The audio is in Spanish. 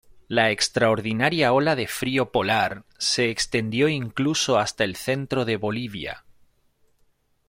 La extraordinaria ola de frío polar se extendió incluso hasta el centro de Bolivia.